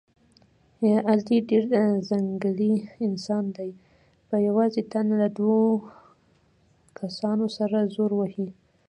علي ډېر ځنګلي انسان دی، په یوازې تن له دور کسانو سره زور وهي.